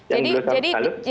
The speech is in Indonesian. jadi jadi cuman gemes aja